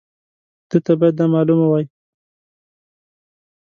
ده ته باید دا معلومه وای.